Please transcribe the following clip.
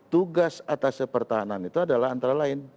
tugas atas pertahanan itu adalah antara lain